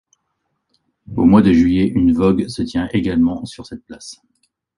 Au mois de juillet, une vogue se tient également sur cette place.